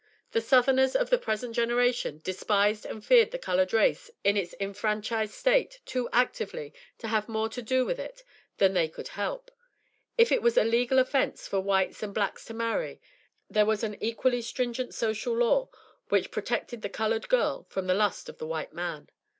The Southerners of the present generation despised and feared the coloured race in its enfranchised state too actively to have more to do with it than they could help; if it was a legal offence for Whites and Blacks to marry, there was an equally stringent social law which protected the coloured girl from the lust of the white man.